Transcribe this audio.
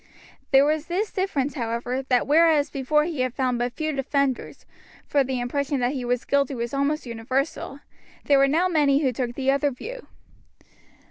There was this difference, however, that whereas before he had found but few defenders, for the impression that he was guilty was almost universal, there were now many who took the other view.